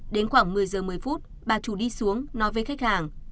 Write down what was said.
đến khoảng một mươi giờ một mươi phút bà chủ đi xuống nói với khách hàng